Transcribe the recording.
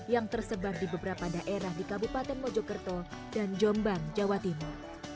yang tersebar di beberapa daerah di kabupaten mojokerto dan jombang jawa timur